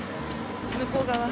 向こう側。